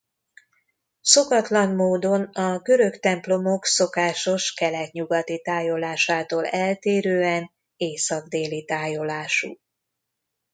Szokatlan módon a görög templomok szokásos kelet-nyugati tájolásától eltérően észak-déli tájolású.